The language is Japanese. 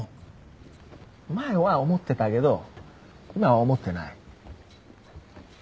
前は思ってたけど今思ってない。